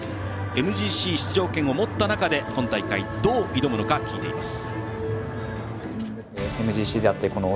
ＭＧＣ出場権を持った中で今大会、どう挑むのか聞いています。